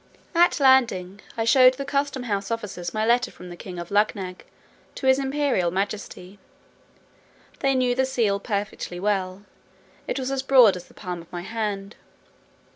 At landing, I showed the custom house officers my letter from the king of Luggnagg to his imperial majesty. They knew the seal perfectly well; it was as broad as the palm of my hand.